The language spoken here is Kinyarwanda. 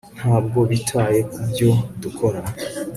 ntabwo bitaye kubyo dukora